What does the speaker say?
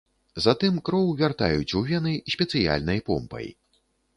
Затым кроў вяртаюць у вены спецыяльнай помпай.